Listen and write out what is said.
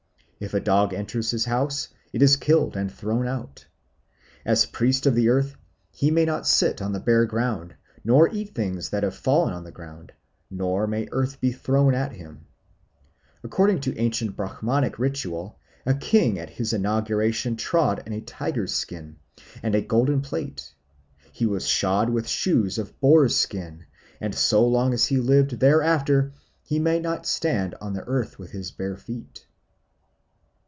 If a dog enters his house, it is killed and thrown out. As priest of the Earth he may not sit on the bare ground, nor eat things that have fallen on the ground, nor may earth be thrown at him. According to ancient Brahmanic ritual a king at his inauguration trod on a tiger's skin and a golden plate; he was shod with shoes of boar's skin, and so long as he lived thereafter he might not stand on the earth with his bare feet.